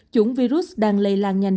chủng virus đang lây lan nhanh